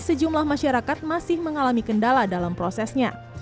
sejumlah masyarakat masih mengalami kendala dalam prosesnya